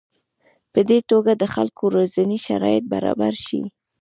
په دې توګه د خلکو روزنې شرایط برابر شي.